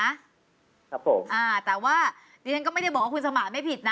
ครับผมอ่าแต่ว่าดิฉันก็ไม่ได้บอกว่าคุณสมานไม่ผิดนะ